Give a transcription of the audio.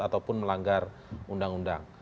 ataupun melanggar undang undang